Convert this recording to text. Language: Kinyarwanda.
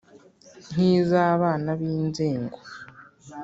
nk’iz’abana b’inzingo